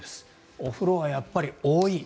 お風呂はやっぱり多い。